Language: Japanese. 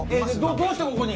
どうしてここに？